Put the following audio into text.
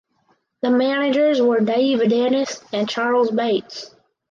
The managers were Dave Dennis and Charles Bates.